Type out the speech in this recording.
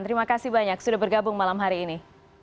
terima kasih banyak sudah bergabung malam hari ini